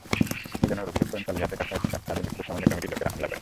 মিজানুর অভিযোগ করেন, কালিহাটের কাছে তাঁদের মিছিলে সমন্বয় কমিটির লোকেরা হামলা করে।